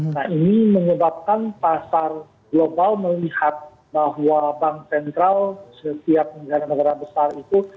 nah ini menyebabkan pasar global melihat bahwa bank sentral setiap negara negara besar itu